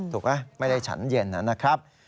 ถูกไหมไม่ได้ฉันเย็นนะครับ